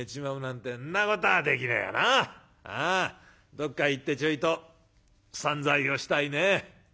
どっか行ってちょいと散財をしたいね。